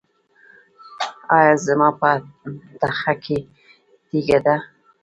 ایا زما په تخه کې تیږه ده؟